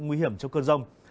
nguy hiểm trong cơn rông